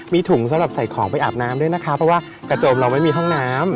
มีถุงสำหรับใส่ของไปอาบน้ำด้วยนะคะเพราะว่ากระโจมเราไม่มีห้องน้ำ